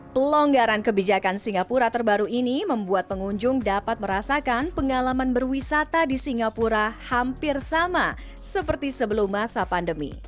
pelonggaran kebijakan singapura terbaru ini membuat pengunjung dapat merasakan pengalaman berwisata di singapura hampir sama seperti sebelum masa pandemi